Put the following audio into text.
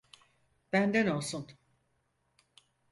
Benden olsun.